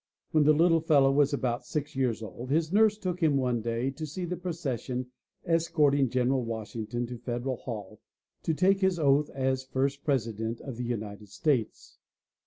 When the little fellow was about six years old his nurse took him one day to see the procession escort ing General Washington to Federal Hall to take his oath as first President of the United States.